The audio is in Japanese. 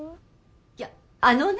いやあのね。